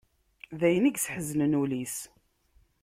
D ayen i yesḥeznen ul-is.